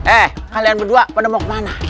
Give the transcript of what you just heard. eh kalian berdua pada mau kemana